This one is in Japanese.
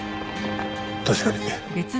確かに。